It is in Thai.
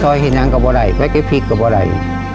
ช่วยเห็นอย่างกับว่าไหร่ไว้กระพริกกับว่าไหร่